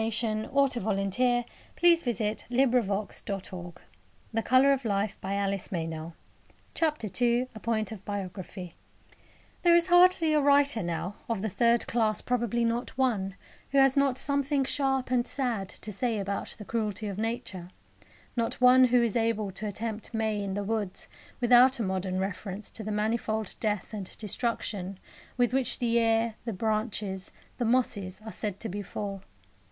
Olympe de Gouges was guillotined. Robespierre thus made her public and complete amends. A POINT OF BIOGRAPHY There is hardly a writer now of the third class probably not one who has not something sharp and sad to say about the cruelty of Nature; not one who is able to attempt May in the woods without a modern reference to the manifold death and destruction with which the air, the branches, the mosses are said to be full.